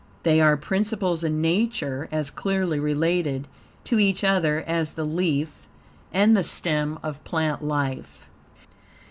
They are principles in Nature as clearly related to each other as the leaf and the stem of plant life.